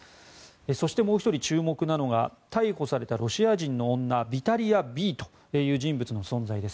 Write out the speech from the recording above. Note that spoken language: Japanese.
そしてもう１人注目なのが逮捕されたロシア人の女ヴィタリア・Ｂという人物の存在です。